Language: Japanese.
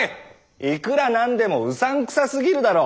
いくらなんでもうさんくさすぎるだろう。